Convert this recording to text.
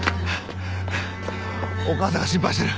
お母さんが心配してる。